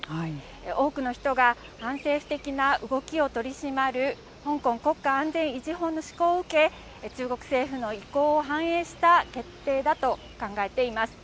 多くの人が反政府的な動きを取り締まる香港国家安全維持法の施行を受け、中国政府の意向を反映した決定だと考えています。